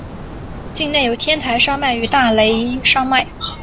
境内有天台山脉与大雷山脉。